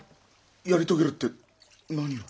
「やり遂げる」って何を？